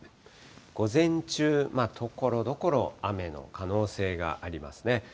午前中、ところどころ雨の可能性がありますね。